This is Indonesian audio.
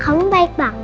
kamu baik banget